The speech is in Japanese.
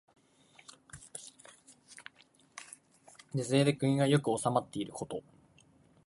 善政で国が良く治まっていること。